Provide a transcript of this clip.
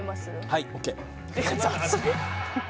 はいＯＫ雑！